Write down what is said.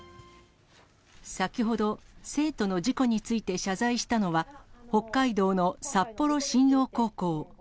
先ほど、生徒の事故について謝罪したのは、北海道の札幌新陽高校。